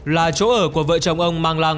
là chỗ ở của vợ chồng ông mang lăng